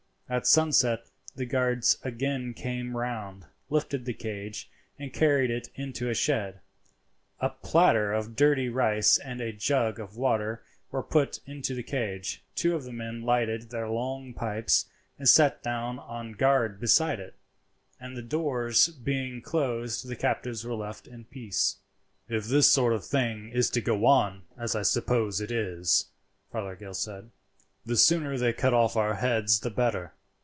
At sunset the guards again came round, lifted the cage, and carried it into a shed. A platter of dirty rice and a jug of water were put into the cage; two of the men lighted their long pipes and sat down on guard beside it, and, the doors being closed, the captives were left in peace. "If this sort of thing is to go on, as I suppose it is," Fothergill said, "the sooner they cut off our heads the better."